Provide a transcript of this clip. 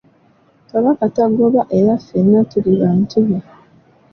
Kabaka tagoba era ffenna tuli bantu be.